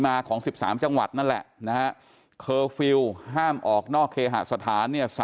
ของ๑๓จังหวัดนั่นแหละนะฮะเคอร์ฟิลล์ห้ามออกนอกเคหสถานเนี่ย